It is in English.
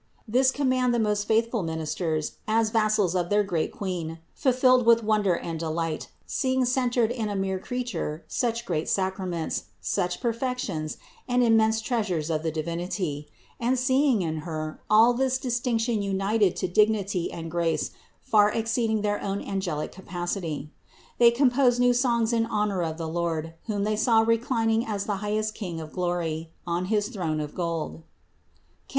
This command the most faithful ministers, as vassals of their great Queen, fulfilled with wonder and delight, seeing centered in a mere Creature such great sacraments, such perfections, and immense treasures of the Divinity, and seeing in Her all this distinction united to dignity and grace far exceeding their own angelic capacity. They composed new songs in honor of the Lord, whom they saw reclining as the highest King of glory, on his throne of gold (Cant.